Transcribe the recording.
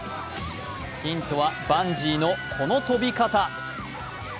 ヒントはバンジーのこの飛び方。